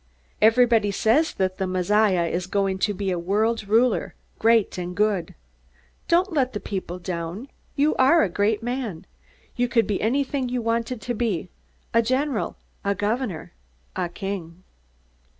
Everybody says that the Messiah is going to be a world ruler, great and good. Don't let the people down! You are a great man. You could be anything you wanted to be a general, a governor, a king.